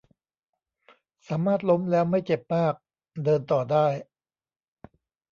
สามารถล้มแล้วไม่เจ็บมาก เดินต่อได้